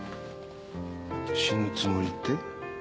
死ぬつもりって？